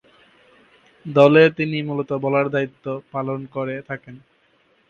দলে তিনি মূলতঃ বোলারের দায়িত্ব পালন করে থাকেন।